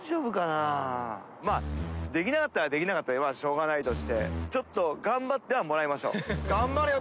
まあできなかったらできなかったでしょうがないとしてちょっと頑張ってはもらいましょう。